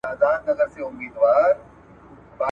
نه یې جنډۍ سته نه یې قبرونه `